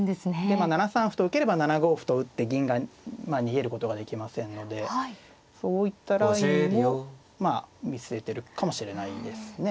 でまあ７三歩と受ければ７五歩と打って銀が逃げることができませんのでそういったラインもまあ見据えてるかもしれないですね。